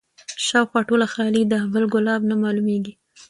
شاوخوا ټوله خالي ده بل ګلاب نه معلومیږي